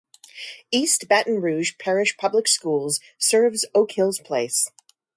East Baton Rouge Parish Public Schools serves Oak Hills Place.